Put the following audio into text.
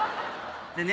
でね